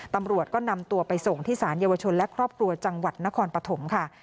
ตำรวจก็นำตัวไปส่งที่สารเยาวชนและครอบครัวจังหวัดนครปฐมค่ะ